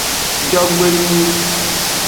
Jogbenyui.